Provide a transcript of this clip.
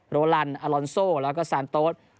โรลันอลอนโซแล้วก็ซานโต๊ด